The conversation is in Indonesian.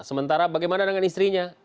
sementara bagaimana dengan istrinya